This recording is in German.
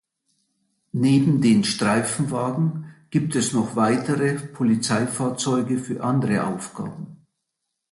Neben den Streifenwagen gibt es noch weitere Polizeifahrzeuge für andere Aufgaben.